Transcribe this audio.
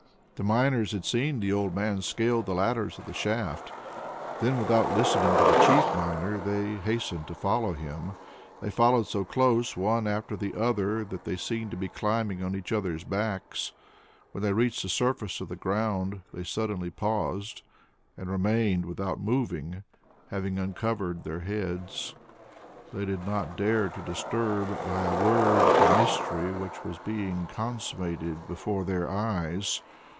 The miners had seen the old man scale the ladders of the shaft. Then, without listening to the chief miner, they hastened to follow him. They followed so close one after the other that they seemed to be climbing on each others' backs. When they reached the surface of the ground, they suddenly paused and remained without moving, after having uncovered their heads. They did not dare to disturb by a word the mystery which was being consummated before their eyes.